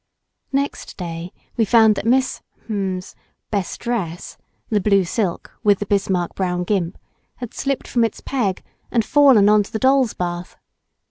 Next day we found that Miss ——'s best dress (the blue silk with the Bismarck brown gimp) had slipped from its peg and fallen on to the doll's bath.